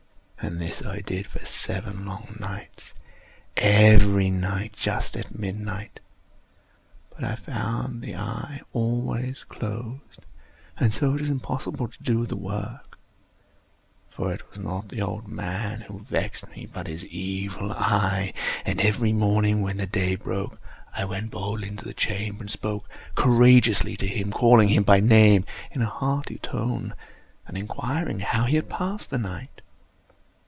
And this I did for seven long nights—every night just at midnight—but I found the eye always closed; and so it was impossible to do the work; for it was not the old man who vexed me, but his Evil Eye. And every morning, when the day broke, I went boldly into the chamber, and spoke courageously to him, calling him by name in a hearty tone, and inquiring how he has passed the night.